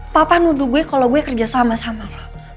papa nuduh gue kalau gue kerja sama sama